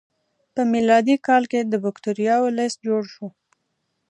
په میلادي کال کې د بکتریاوو لست جوړ شو.